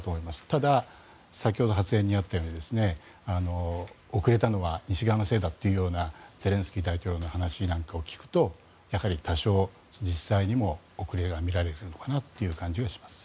ただ、先ほど発言にあったように遅れたのは西側のせいだというようなゼレンスキー大統領の話なんかを聞くと多少、実際にも遅れが見られるのかなという感じがします。